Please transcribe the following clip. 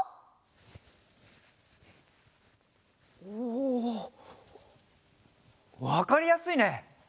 おおわかりやすいね！